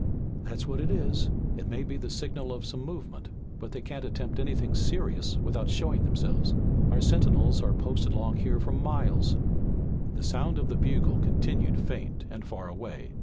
"That's what it is. It may be the signal of some movement, but they can't attempt anything serious without showing themselves. Our sentinels are posted along here for miles." The sound of the bugle continued faint and far away.